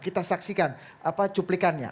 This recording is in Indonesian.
kita saksikan apa cuplikannya